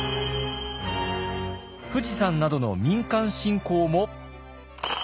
富士山などの民間信仰も。